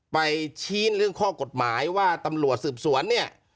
ไปชี้เรื่องข้อกฎหมายว่าตำรวจสืบสวนเนี่ย